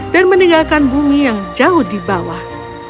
dan meninggalkan bumi yang jauh di bawah